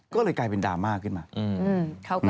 ก็เลยกลายเป็นดราม่าขึ้นมา